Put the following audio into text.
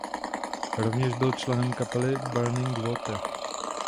Rovněž byl členem kapely Burning Water.